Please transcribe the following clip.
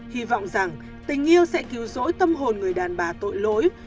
hy vọng rằng tình yêu sẽ cứu rỗi tâm hồn người đàn bà tội lối